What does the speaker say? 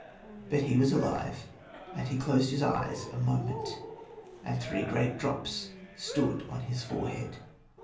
But he was still alive, and he dosed his eyes a moment, and three great drops stood on his forehead.